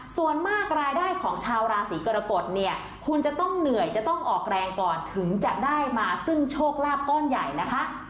ส่วนมากรายได้ของชาวราศีกรกฎเนี่ยคุณจะต้องเหนื่อยจะต้องออกแรงก่อนถึงจะได้มาซึ่งโชคลาภก้อนใหญ่นะคะ